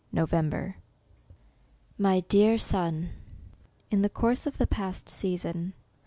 NOVEMBER. My Dear Son, In the course of the past season.